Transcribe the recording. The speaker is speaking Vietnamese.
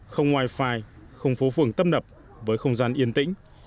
không wifi không phố phường tâm nập với không gian yên tĩnh